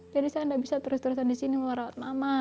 jadi saya tidak bisa terus terusan di sini mau rawat mama